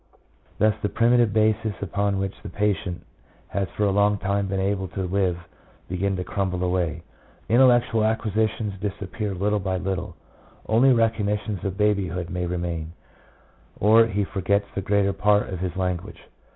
1 Thus the primitive bases upon which the patient has for a long time been able to live begin to crumble away. Intellectual acquisitions disappear little by little. Only recollections of baby hood may remain, or he forgets the greater part of his language.